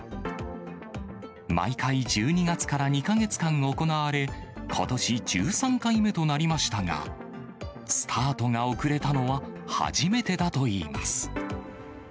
毎回１２月から２か月間行われ、ことし１３回目となりましたが、スタートが遅れたのは初めてだといいます。